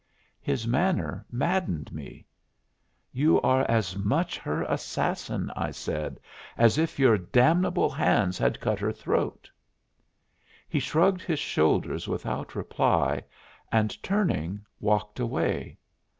His manner maddened me. "You are as much her assassin," I said, "as if your damnable hands had cut her throat." He shrugged his shoulders without reply and, turning, walked away.